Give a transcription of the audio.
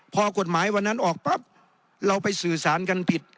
พอกฎหมายวันนั้นออกปั๊บเราไปสื่อสารกันผิด